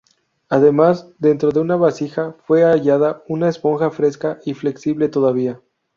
Además, dentro de una vasija fue hallada una esponja fresca y flexible todavía.